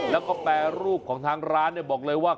แล้วก็แปรรูปของทางร้านบอกเลยว่า